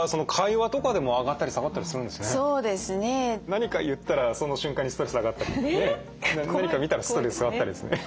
何か言ったらその瞬間にストレス上がったりね何か見たらストレス下がったりですね